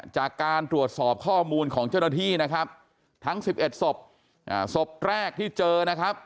จากการตรวจสอบข้อมูลของเจ้าหน้าที่นะครับทั้ง๑๑ศพศพแรกที่เจอนะครับ